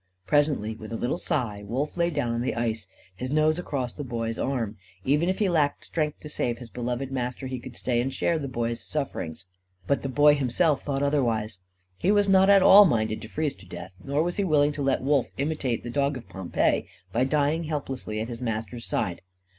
Presently, with a little sigh, Wolf lay down on the ice, his nose across the Boy's arm. Even if he lacked strength to save his beloved master, he could stay and share the Boy's sufferings. But the Boy himself thought otherwise. He was not at all minded to freeze to death, nor was he willing to let Wolf imitate the dog of Pompeii by dying helplessly at his master's side.